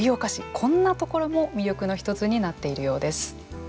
こんなところも魅力の一つになっているようです。